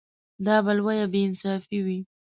دا به لویه بې انصافي وي.